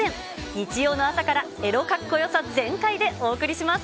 日曜の朝からエロかっこよさ全開でお送りします。